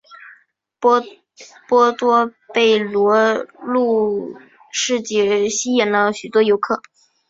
波多贝罗路市集吸引了许多游客。